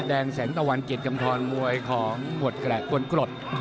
แดงแสงตะวันเกร็ดกำทอนมวยของหมวดแกรกคนกรด